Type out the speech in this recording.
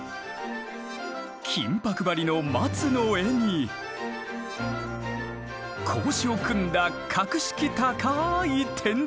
金箔ばりの松の絵に格子を組んだ格式高い天井。